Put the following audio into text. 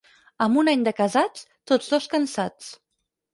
Amb un any de casats, tots dos cansats.